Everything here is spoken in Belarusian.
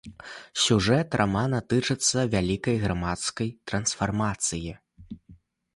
Сюжэт рамана тычыцца вялікай грамадскай трансфармацыі.